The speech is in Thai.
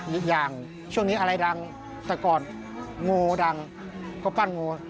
อีกอย่างช่วงนี้อะไรดังแต่ก่อนงูดังก็ปั้นงู